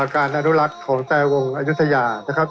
การอนุรักษ์ของแตรวงอายุทยานะครับ